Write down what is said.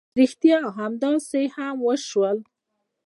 ريښتيا همداسې هم وشول.